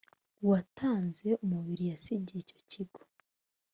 uwatanze umubiri yasigiye icyo kigo